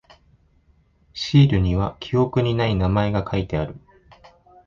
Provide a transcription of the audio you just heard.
シールには記憶にない名前が書いてある。